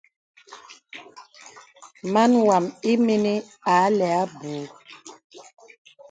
Màn wām ìmìnī a lɛ abù.